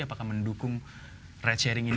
apakah mendukung ride sharing ini